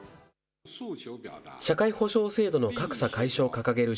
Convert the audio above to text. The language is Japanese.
社会保障制度の格差解消を掲げる